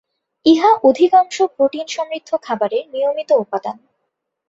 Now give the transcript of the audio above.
ইহা অধিকাংশ প্রোটিন সমৃদ্ধ খাবারের নিয়মিত উপাদান।